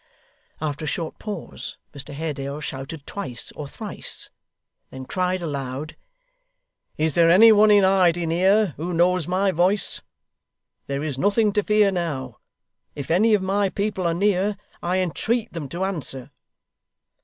After a short pause, Mr Haredale shouted twice or thrice. Then cried aloud, 'Is there any one in hiding here, who knows my voice! There is nothing to fear now. If any of my people are near, I entreat them to answer!